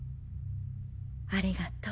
ありがとう。